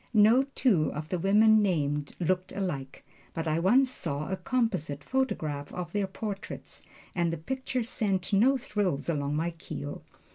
No two of the women named looked alike, but I once saw a composite photograph of their portraits and the picture sent no thrills along my keel.